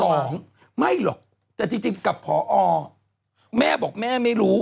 สองไม่หรอกแต่จริงกับพอแม่บอกแม่ไม่รู้